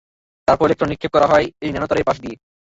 তারপর ইলেকট্রন নিক্ষেপ করা হয় এই ন্যানোতারের পাশ দিয়ে।